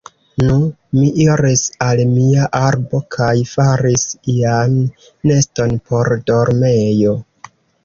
Nu, mi iris al mia arbo kaj faris ian neston por dormejo.